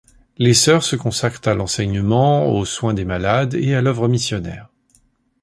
Les sœurs se consacrent à l'enseignement, aux soins des malades et à l'œuvre missionnaire.